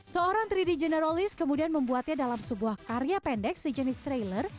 seorang tiga d generalist kemudian membuatnya dalam sebuah karya pendek sejenis trailer